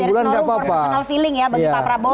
jadi dari senuruh perasaan perasaan ya bagi pak prabowo